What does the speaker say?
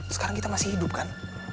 sekarang kita masih hidup kan